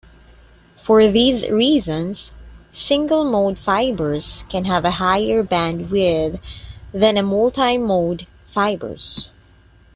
For these reasons, single-mode fibers can have a higher bandwidth than multi-mode fibers.